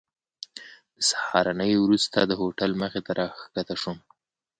د سهارنۍ وروسته د هوټل مخې ته راښکته شوم.